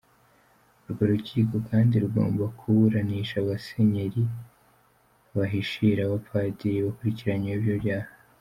Urwo rukiko kandi rugomba kuburanisha abasenyeri bahishira abapadiri bakurikiranyweho ibyo byaha.